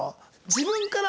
自分から？